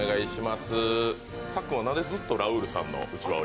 さっくんはなぜずっとラウールさんのうちわを？